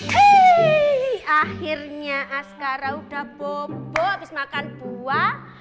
hei akhirnya askara udah bobo habis makan buah